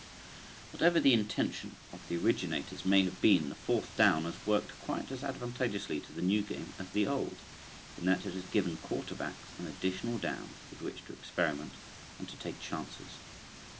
Whatever the intention of the originators may have been the fourth down has worked quite as advantageously to the new game as the old, in that it has given quarterbacks an additional down with which to experiment and to take chances.